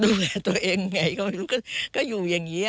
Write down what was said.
ดูแลตัวเองไงก็อยู่อย่างนี้